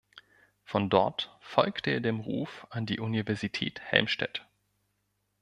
Von dort folgte er dem Ruf an die Universität Helmstedt.